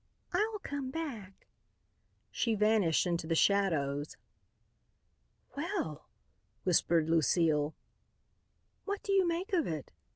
"I'll come back." She vanished into the shadows. "Well!" whispered Lucile. "What do you make of it?"